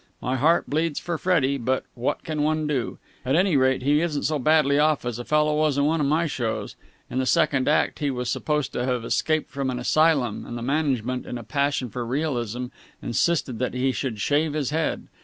My heart bleeds for Freddie, but what can one do? At any rate he isn't so badly off as a fellow was in one of my shows. In the second act he was supposed to have escaped from an asylum, and the management, in a passion for realism, insisted that he should shave his head.